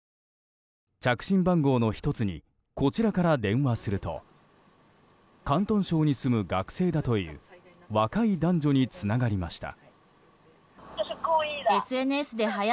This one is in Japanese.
着信番号の１つにこちらから電話すると広東省に住む学生だという若い男女につながりました。